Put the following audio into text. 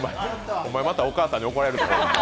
お前、またお母さんに怒られるぞ。